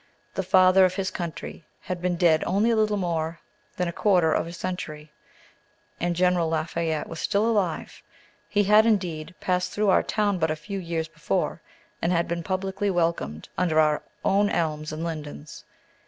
The Father of his Country had been dead only a little more than a quarter of a century, and General Lafayette was still alive; he had, indeed, passed through our town but a few years before, and had been publicly welcomed under our own elms and lindens.